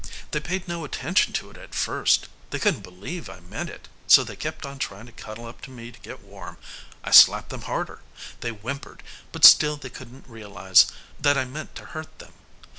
"They paid no attention to it at first they couldn't believe I meant it, so they kept on trying to cuddle up to me to get warm. I slapped them harder. They whimpered, but still they couldn't realize that I meant to hurt them.